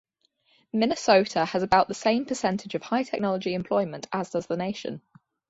Minnesota has about the same percentage of high-technology employment as does the nation.